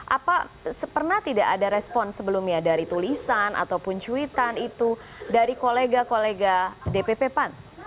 apa pernah tidak ada respon sebelumnya dari tulisan ataupun cuitan itu dari kolega kolega dpp pan